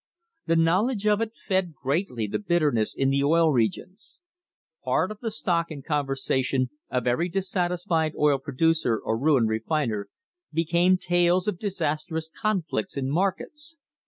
The knowledge of it fed greatly the bitterness in the Oil Regions. Part of the stock in conversation of every dissatisfied oil producer or ruined refiner became tales of disastrous conflicts in markets.